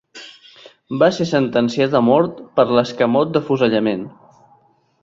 Va ser sentenciat a mort per l'escamot d'afusellament.